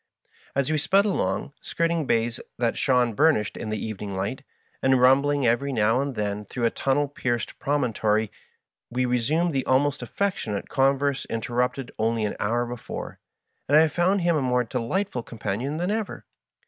As we sped along, skirting bays that shone burnished in the evening light, and rumbling every now and then through a tunnel pierced promon tory, we resumed the almost affectionate converse inter rupted only an hour before, and I found him a more delightful companion than ever.